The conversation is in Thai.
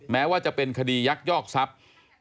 แม้ว่าจะเป็นคดียักยอกทรัพย์